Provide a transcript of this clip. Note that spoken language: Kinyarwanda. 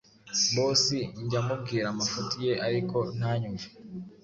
bossi njya mubwira amafuti ye ariko ntanyumve